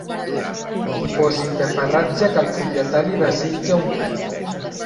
Dipòsit de farratge que el propietari desitja omplir.